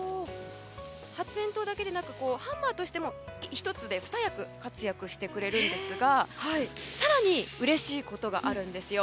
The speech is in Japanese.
発炎筒だけでなくハンマーとしても１つで２役活躍してくれるんですが更にうれしいことがあるんですよ。